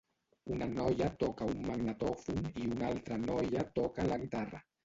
Una noia toca un magnetòfon i una altra noia toca la guitarra.